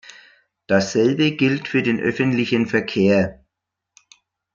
Dasselbe gilt für den öffentlichen Verkehr.